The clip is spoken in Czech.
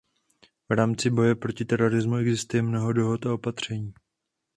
V rámci boje proti terorismu existuje mnoho dohod a opatření.